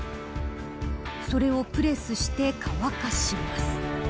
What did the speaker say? それをプレスして乾かします。